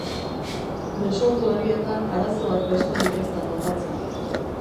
Desordu horietan arazoak besterik ez da topatzen.